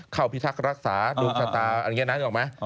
ชักรัสสาดุกษัตริย์อันเงี้ยนะเห็นหรือไม่